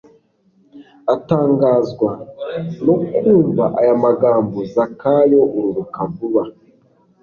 atangazwa no kumva aya magambo “Zakayo ururuka vuba,